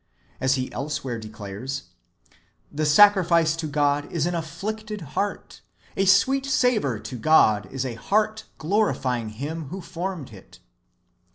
As He elsewhere declares :" The sacrifice to God is an afflicted heart : a sweet savour to God is a heart glorifying Him who formed it."